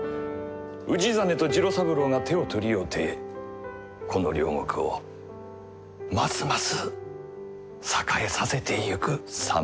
氏真と次郎三郎が手を取り合うてこの領国をますます栄えさせてゆく様がなあ。